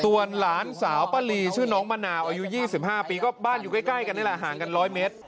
ส่วนหลานสาวป้าลีชื่อน้องมะนาวอายุ๒๕ปีก็บ้านอยู่ใกล้กันนี่แหละห่างกัน๑๐๐เมตร